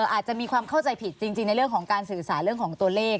อาจจะมีความเข้าใจผิดจริงในเรื่องของการสื่อสารเรื่องของตัวเลข